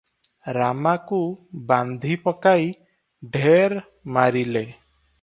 ରାମାକୁ ବାନ୍ଧିପକାଇ ଢ଼େର ମାରିଲେ ।